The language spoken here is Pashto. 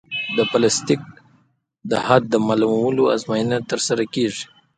د پلاستیک حد معلومولو ازموینه ترسره کیږي